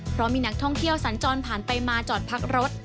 เพราะมีนักท่องเที่ยวสัญจรผ่านไปมาจอดพักรถ